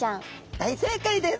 大正解です！